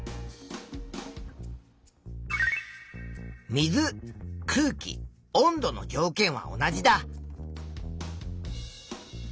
水空気温度の条件は同じだ。